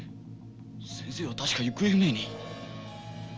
先生は確か行方不明に。